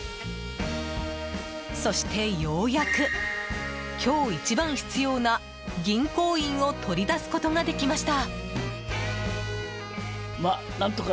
そして、ようやく今日一番必要な銀行印を取り出すことができました！